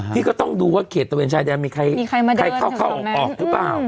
ที่ก็ต้องดูว่าเขตตะเวนชายแดนมีใครเข้าออกหรือเปล่า